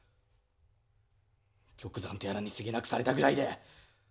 玉山とやらにすげなくされたぐらいで。